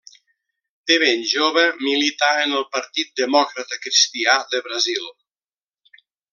De ben jove milità en el Partit Demòcrata Cristià de Brasil.